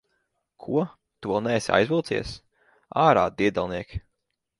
Ko? Tu vēl neesi aizvilcies? Ārā, diedelniek!